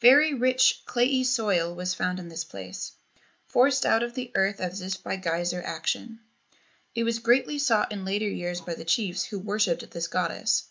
Very rich clayey soil was found in this place, forced out of the earth as if by geyser action. It was greatly sought in later years by the chiefs who worshipped this goddess.